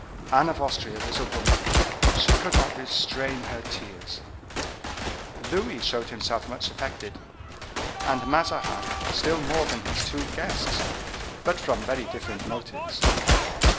Anne of Austria was a woman; she could not restrain her tears. Louis showed himself much affected, and Mazarin still more than his two guests, but from very different motives.